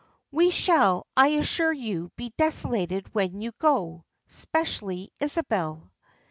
"We shall, I assure you, be desolated when you go, specially Isabel."